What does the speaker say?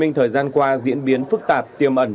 nhưng thời gian qua diễn biến phức tạp tiềm ẩn